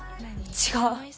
違う。